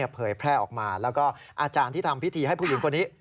เผยแพร่ออกมาแล้วก็อาจารย์ที่ทำพิธีให้ผู้หญิงคนนี้